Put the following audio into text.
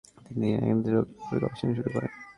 তিনি অ্যানথ্রাক্স রোগের উপরে গবেষণা শুরু করেন।